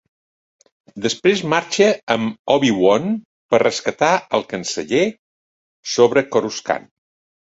Després marxa amb Obi-Wan per rescatar el Canceller sobre Coruscant.